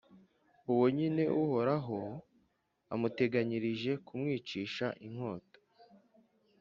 uwo nyine Uhoraho amuteganyirije kumwicisha inkota.